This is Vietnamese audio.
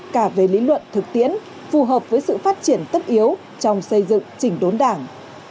cả về lý luận thực tiễn phù hợp với sự phát triển tất yếu trong xây dựng chỉnh đốn đảng